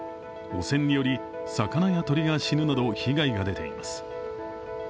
汚染により魚や鳥が死ぬなど被害が出ています。